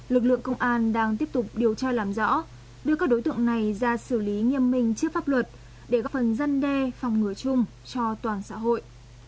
lực lượng công an đang tiếp tục điều tra làm rõ đưa các đối tượng này ra xử lý nghiêm minh trước pháp luật để góp phần dân đe phòng ngừa chung cho toàn xã hội